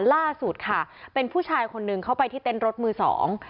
ล่าสุดค่ะเป็นผู้ชายคนหนึ่งเข้าไปที่เต้นรถมือสอง